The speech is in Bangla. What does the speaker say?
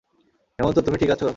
হেমন্ত, তুমি ঠিক আছো?